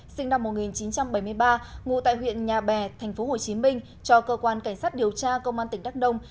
sinh năm một nghìn chín trăm bảy mươi ba ngụ tại huyện nhà bè tp hcm cho cơ quan cảnh sát điều tra công an tỉnh đắk đông